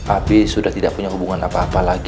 api sudah tidak punya hubungan apa apa lagi